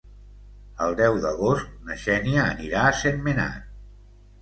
El deu d'agost na Xènia anirà a Sentmenat.